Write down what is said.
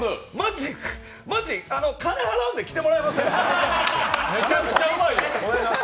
マジ、金払うんで来てもらえません？